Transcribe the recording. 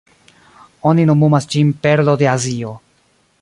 Oni nomumas ĝin "Perlo de Azio".